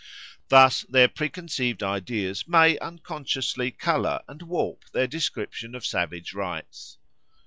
Thus their preconceived ideas may unconsciously colour and warp their descriptions of savage rites.